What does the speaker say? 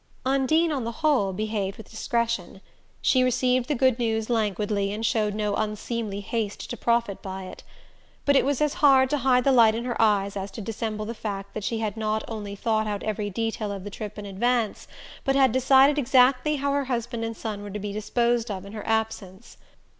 Undine, on the whole, behaved with discretion. She received the good news languidly and showed no unseemly haste to profit by it. But it was as hard to hide the light in her eyes as to dissemble the fact that she had not only thought out every detail of the trip in advance, but had decided exactly how her husband and son were to be disposed of in her absence.